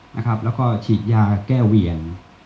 แล้วก็ฉีดยาแก้เวียน